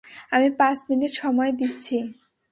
আমি পাঁচ মিনিট সময় দিচ্ছি।